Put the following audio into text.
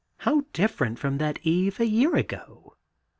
How different from that eve a year ago!